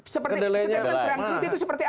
statement bangkrut itu seperti apa